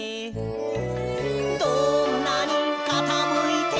「どんなにかたむいても」